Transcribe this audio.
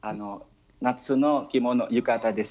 夏の着物浴衣です。